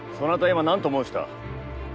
今、何と申した？